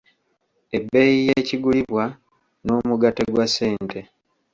Ebbeeyi y’ekigulibwa n'omugatte gwa ssente.